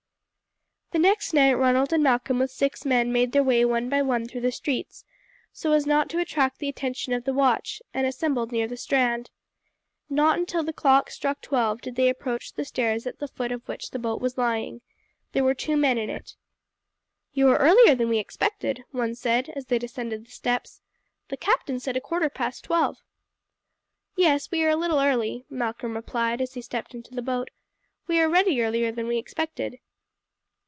The next night Ronald and Malcolm with six men made their way one by one through the streets so as not to attract the attention of the watch, and assembled near the strand. Not until the clock struck twelve did they approach the stairs at the foot of which the boat was lying. There were two men in it. "You are earlier than we expected," one said as they descended the steps. "The captain said a quarter past twelve." "Yes, we are a little early," Malcolm replied as he stepped into the boat; "we are ready earlier than we expected."